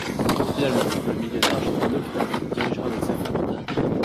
Finalement, le millionnaire achètera un hôpital qu'il dirigera avec sa femme.